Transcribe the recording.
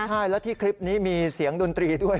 ใช่แล้วที่คลิปนี้มีเสียงดนตรีด้วย